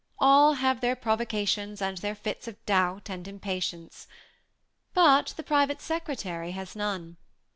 !A.ll have their prov ocations and their fits of doubt and impatience. But the private secretary has none.